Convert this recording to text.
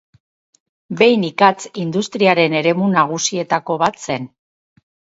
Behin ikatz industriaren eremu nagusienetako bat zen.